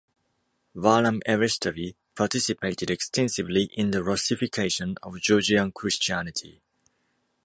Varlam Eristavi participated extensively in the Russification of Georgian Christianity.